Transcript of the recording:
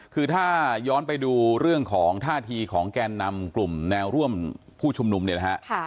คือถ้าย้อนไปดูเรื่องของท่าทีของแกนนำกลุ่มแนวร่วมผู้ชุมนุมเนี่ยนะฮะ